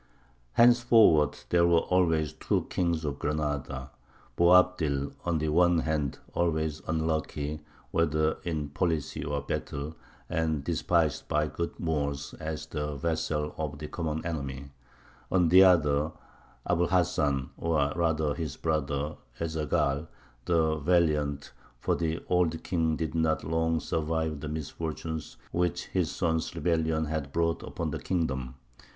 Henceforward there were always two kings of Granada: Boabdil, on the one hand, always unlucky, whether in policy or battle, and despised by good Moors as the vassal of the common enemy; on the other, Abu l Hasan, or rather his brother Ez Zaghal, "the Valiant," for the old king did not long survive the misfortunes which his son's rebellion had brought upon the kingdom.